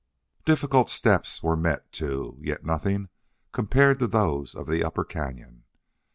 Difficult steps were met, too, yet nothing compared to those of the upper cañon.